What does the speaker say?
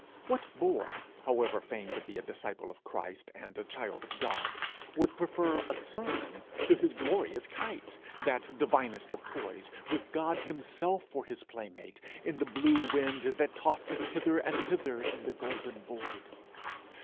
What boy, however fain to be a disciple of Christ and a child of God, would prefer a sermon to his glorious kite, that divinest of toys, with God himself for his playmate, in the blue wind that tossed it hither and thither in the golden void!